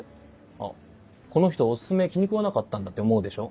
「あこの人おすすめ気に食わなかったんだ」って思うでしょ？